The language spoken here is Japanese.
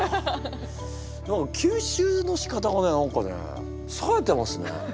何か吸収のしかたがね何かねさえてますね。